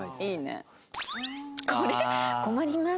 いいね。